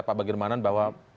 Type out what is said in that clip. pak bagirmanan bahwa situs situsnya